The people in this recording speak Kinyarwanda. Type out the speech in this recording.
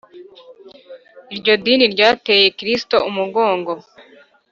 Iryo dini ryateye Kristo umugongo